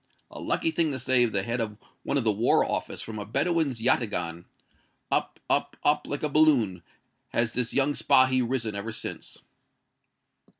A lucky thing to save the head of one of the War Office from a Bedouin's yataghan. Up up up, like a balloon, has this young Spahi risen ever since."